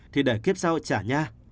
thì để kiếp sau trả nha